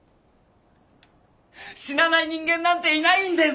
死なない人間なんていないんです！